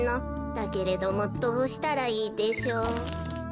だけれどもどうしたらいいでしょう」。